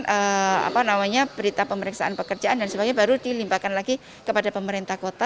kemudian berita pemeriksaan pekerjaan dan sebagainya baru dilimpahkan lagi kepada pemerintah kota